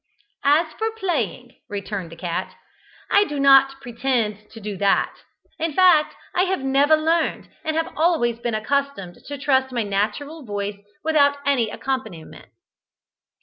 "As for playing," returned the cat, "I do not pretend to do that; in fact I have never learned, and have always been accustomed to trust to my natural voice without any accompaniment."